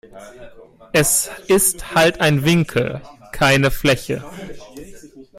Es ist halt ein Winkel, keine Fläche.